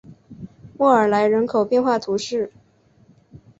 莫尔莱人口变化图示